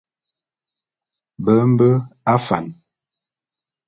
Be mbe afan.